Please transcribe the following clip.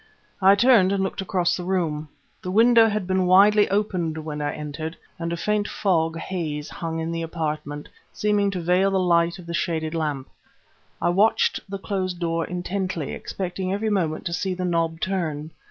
I turned and looked across the room. The window had been widely opened when I entered, and a faint fog haze hung in the apartment, seeming to veil the light of the shaded lamp. I watched the closed door intently, expecting every moment to see the knob turn.